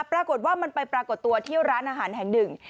ปรากฏว่ามันไปปรากฏตัวที่ร้านอาหารแห่งหนึ่ง